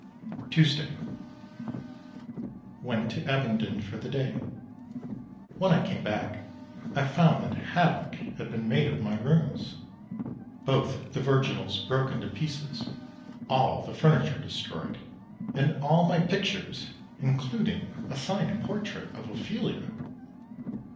Tuesday. Went to Abingdon for the day. When I came back I found that havoc had been made of my rooms: both the virginals broken to pieces all the furniture destroyed, and all my pictures including a signed portrait of Ophelia.